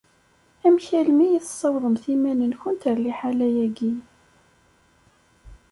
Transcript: Amek almi i tessawḍemt iman-nkent ar liḥala-agi?